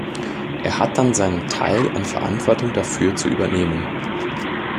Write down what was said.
Er hat dann seinen Teil an Verantwortung dafür zu übernehmen.